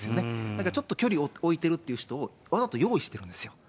だからちょっと距離を置いてるという人を、わざと用意しているんですよ。